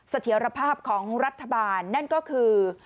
เสถียรภาพของรัฐบาลนั่นก็คือ